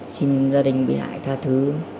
xin gia đình bị hại tha thứ